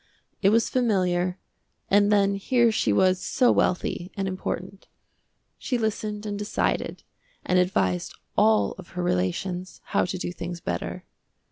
It was familiar, and then here she was so wealthy and important. She listened and decided, and advised all of her relations how to do things better.